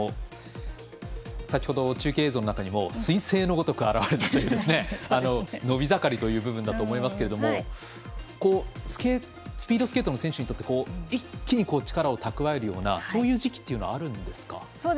先ほど、中継映像の中にもすい星のごとく現れたという伸び盛りという部分だと思いますがスピードスケートの選手にとって一気に力を蓄えるようなそういう時期というのはあるんですか。